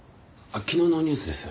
昨日のニュースです。